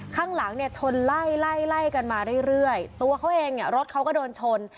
ข้างหลังชนไล่กันมาเรื่อยตัวเขาเองรถเขาก็โดนชน